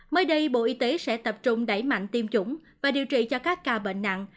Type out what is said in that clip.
mới đây bộ y tế sẽ tập trung đẩy mạnh tiêm chủng và điều trị cho các ca bệnh nặng